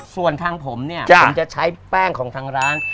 ส่วนทางผมเนี่ยผมจะใช้แป้งของทางร้าน